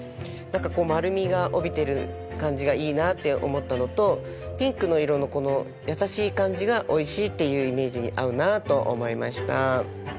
何かこう丸みが帯びてる感じがいいなって思ったのとピンクの色のこの優しい感じが「おいしい」っていうイメージに合うなと思いました。